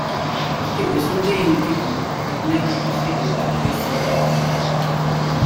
He was ordained a deacon but never proceeded to priest's orders.